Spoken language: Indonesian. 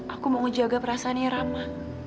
aku mau jaga perasaan rama